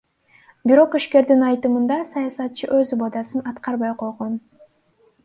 Бирок ишкердин айтымында саясатчы өз убадасын аткарбай койгон.